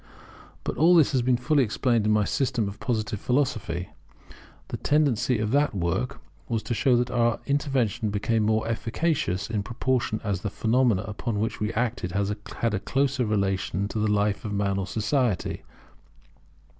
But all this has been fully explained in my System of Positive Philosophy. The tendency of that work was to show that our intervention became more efficacious in proportion as the phenomena upon which we acted had a closer relation to the life of man or society.